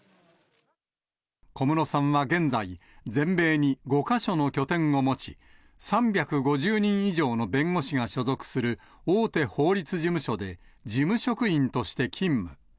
小室さんは現在、全米に５か所の拠点を持ち、３５０人以上の弁護士が所属する大手法律事務所で、事務職員として勤務。